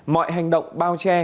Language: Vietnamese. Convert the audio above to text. mọi hành động bao che